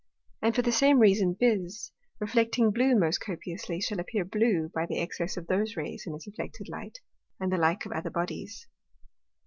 And for the same reason Bise, reflecting blue most copiously, shall appear blue by the excess of those Rays in its reflected Light; and the like of other Bodies.